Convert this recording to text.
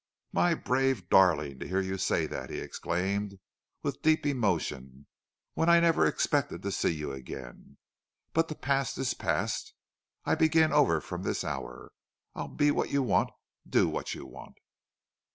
"My brave darling, to hear you say that!" he exclaimed, with deep emotion. "When I never expected to see you again!... But the past is past. I begin over from this hour. I'll be what you want do what you want."